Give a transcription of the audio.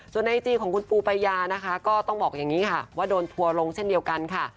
ส่วนไอจีของคุณปูปายานะคะก็ต้องบอกอย่างนี้ค่ะว่าโดนทัวร์ลงเช่นเดียวกันค่ะ